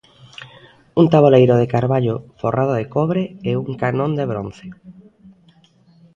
Un taboleiro de carballo forrado de cobre e un canón de bronce.